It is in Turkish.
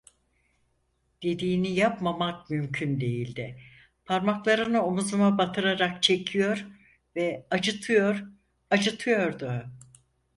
Dediğini yapmamak mümkün değildi, parmaklarını omuzuma batırarak çekiyor ve acıtıyor, acıtıyordu…